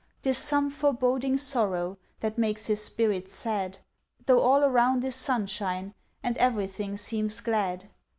'Tis some foreboding sorrow That makes his spirit sad, Though all around is sunshine And everything seems glad.